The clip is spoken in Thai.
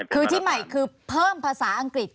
คือที่ใหม่คือเพิ่มภาษาอังกฤษ